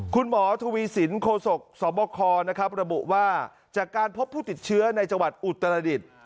คุณหมอทวีสินโคศกสบคนะครับระบุว่าจากการพบผู้ติดเชื้อในจังหวัดอุตรดิษฐ์